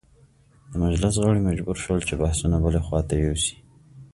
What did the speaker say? د مجلس غړي مجبور شول چې بحثونه بلې خواته یوسي.